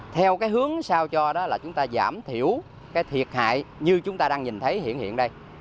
theo hướng sao cho là chúng ta giảm thiểu thiệt hại như chúng ta đang nhìn thấy hiện hiện đây